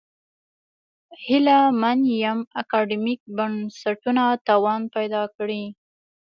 هیله من یم اکاډمیک بنسټونه توان پیدا کړي.